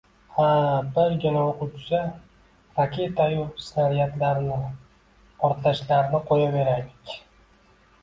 Ha, birgina o‘q uchsa… Raketayu snaryadlarni, portlashlarni qo‘yaveraylik